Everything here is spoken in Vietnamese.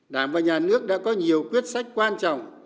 đảng và nhà nước đã có nhiều quyết sách quan trọng